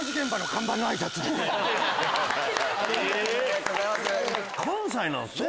ありがとうございます。